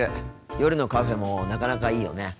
夜のカフェもなかなかいいよね。